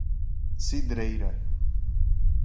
Cidreira